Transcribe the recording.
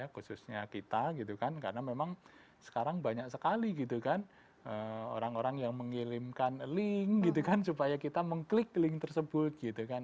khususnya kita gitu kan karena memang sekarang banyak sekali gitu kan orang orang yang mengirimkan link gitu kan supaya kita mengklik link tersebut gitu kan